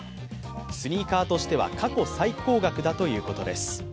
スニーカーとしては過去最高額ということです。